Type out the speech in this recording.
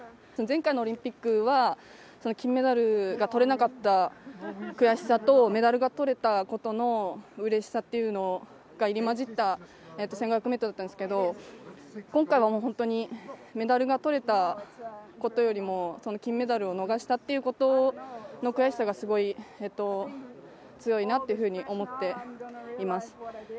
前回のオリンピックは金メダルが取れなかった悔しさと、メダルが取れたことの嬉しさっていうのが入り交じった１５００ｍだったんですけど、今回はもう本当にメダルが取れたというよりも、金メダルを逃したっていうことの悔しさが、すごい強いなって思っています。